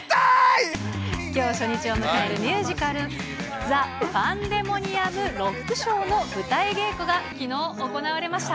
きょう初日を迎えるミュージカル、ザ・パンデモニアム・ロック・ショーの舞台稽古がきのう行われました。